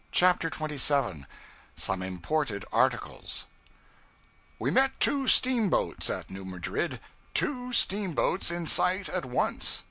CHAPTER 27 Some Imported Articles WE met two steamboats at New Madrid. Two steamboats in sight at once!